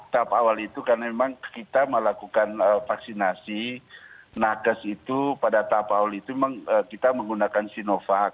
tahap awal itu karena memang kita melakukan vaksinasi nakes itu pada tahap awal itu memang kita menggunakan sinovac